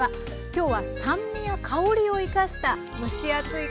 今日は酸味や香りを生かした蒸し暑い